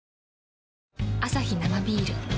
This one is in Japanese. アサヒ生ビール